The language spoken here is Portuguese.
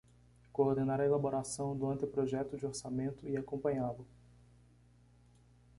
Coordenar a elaboração do anteprojecto de orçamento e acompanhá-lo.